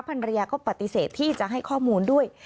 ภรรยาก็ปฏิเสธที่จะให้ข้อมูลด้วย